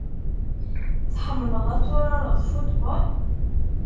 Tḥemmleḍ ad turareḍ football?